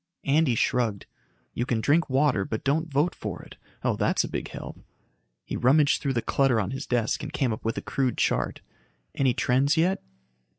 Andy shrugged. "You can drink water, but don't vote for it. Oh, that's a big help." He rummaged through the clutter on his desk and came up with a crude chart. "Any trends yet?"